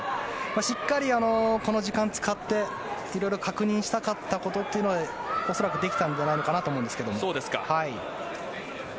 しっかりこの時間使って色々確認したかったことは恐らくできたんじゃないのかなと思うんですけども。